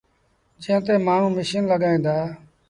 جݩهݩ تي مآڻهوٚݩ ميٚشيٚن لڳائيٚݩ دآ۔